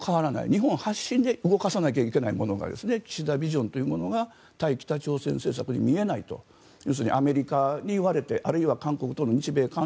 日本発信で動かさなければいけないものが岸田ビジョンというものが対北朝鮮政策に見えないと要するにアメリカに言われてあるいは韓国との日米韓